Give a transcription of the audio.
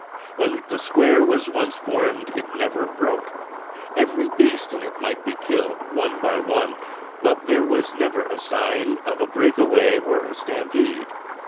When the square was once formed it never broke. Every beast in it might be killed, one by one, but there was never a sign of a break away or a stampede.